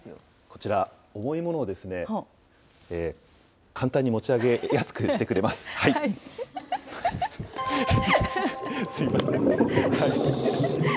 こちら、重いものを簡単に持ち上げやすくしてくれます。